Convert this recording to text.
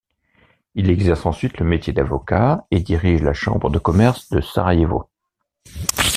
Il exerce ensuite le métier d'avocat et dirige la chambre de commerce de Sarajevo.